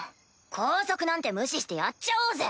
校則なんて無視してやっちゃおうぜ。